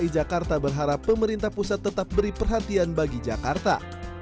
dki jakarta berharap pemerintah pusat tetap beri perhatian bagi jakarta